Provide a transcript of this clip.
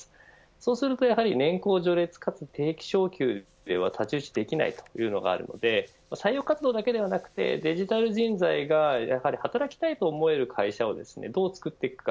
そうなると年功序列かつ定期昇給というのでは太刀打ちできないということになるので採用活動だけでなくデジタル人材が働きたいと思える会社をどう作っていくか。